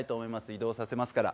移動させますから。